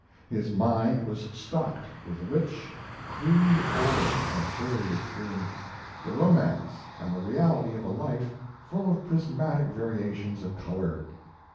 His mind was stocked with the rich, crude ore of early experience the romance and the reality of a life full of prismatic variations of colour.